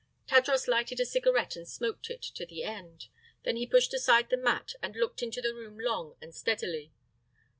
Tadros lighted a cigarette and smoked it to the end. Then he pushed aside the mat and looked into the room long and steadily.